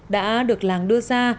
đã được làng đưa ra